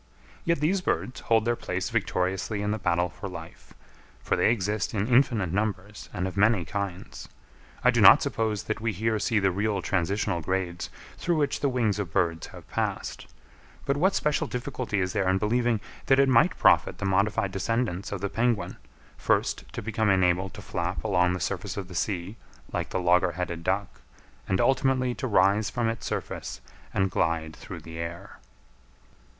Yet these birds hold their place victoriously in the battle for life; for they exist in infinite numbers and of many kinds. I do not suppose that we here see the real transitional grades through which the wings of birds have passed; but what special difficulty is there in believing that it might profit the modified descendants of the penguin, first to become enabled to flap along the surface of the sea like the logger headed duck, and ultimately to rise from its surface and glide through the air?